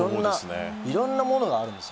いろんなものがあるんですよ。